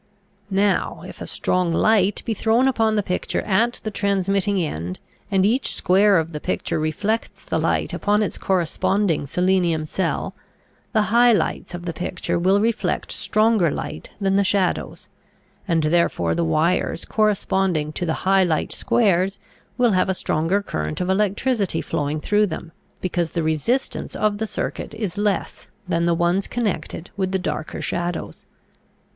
Now if a strong light be thrown upon the picture at the transmitting end, and each square of the picture reflects the light upon its corresponding selenium cell, the high lights of the picture will reflect stronger light than the shadows, and therefore the wires corresponding to the high light squares will have a stronger current of electricity flowing through them, because the resistance of the circuit is less than the ones connected with the darker shadows.